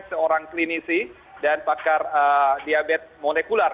seorang klinisi dan pakar diabetes molekuler